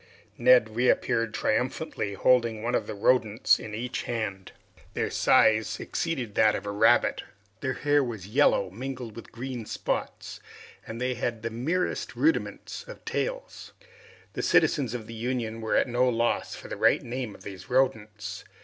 Neb reappeared triumphantly holding one of the rodents in each hand. Their size exceeded that of a rabbit, their hair was yellow, mingled with green spots, and they had the merest rudiments of tails. The citizens of the Union were at no loss for the right name of these rodents.